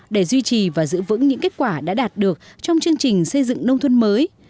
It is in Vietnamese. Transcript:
duy trì và giữ vững những kết quả đã đạt được trong chương trình xây dựng nông thuân mới